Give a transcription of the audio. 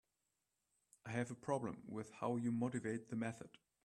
I have a problem with how you motivate the method.